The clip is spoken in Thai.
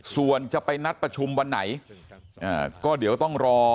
ส่วนจะไปนัดประชุมวันไหนก็เดี๋ยวต้องรอ